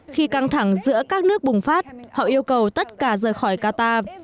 khi căng thẳng giữa các nước bùng phát họ yêu cầu tất cả rời khỏi qatar